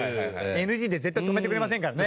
ＮＧで絶対止めてくれませんからね